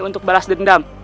untuk balas dendam